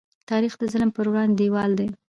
تاریخ د ظلم په وړاندې دیوال دی.